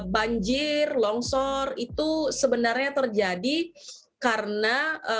banjir longsor itu sebenarnya terjadi karena